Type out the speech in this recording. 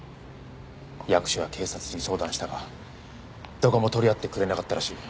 役所や警察に相談したがどこも取り合ってくれなかったらしい。